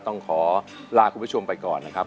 ต้องขอลาคุณผู้ชมไปก่อนนะครับ